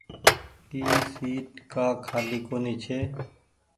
اي سيٽ ڪآ کآلي ڪونيٚ ڇي۔